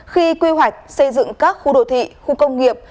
khi quy hoạch xây dựng các khu đồ thị khu công nghiệp